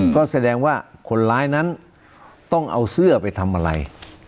ก็แสดงว่าคนร้ายนั้นต้องเอาเสื้อไปทำอะไร